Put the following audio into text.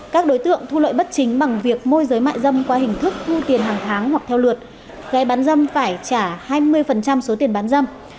các đối tượng thu lợi bất chính bằng việc môi giới mại dâm qua hình thức thu tiền hàng tháng hoặc theo lượt gây bán dâm phải trả hai mươi số tiền bán dâm